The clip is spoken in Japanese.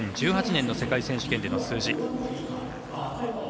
２０１８年の世界選手権での数字。